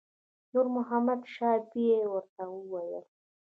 نور محمد شاه بیا ورته وویل.